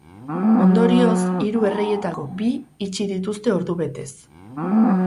Ondorioz, hiru erreietako bi itxi dituzte ordubetez.